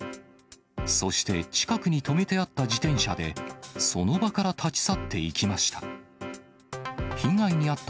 そして近くに止めてあった自転車で、その場から立ち去っていきました。